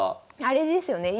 あれですよね